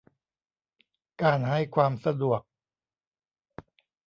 การให้ความสะดวก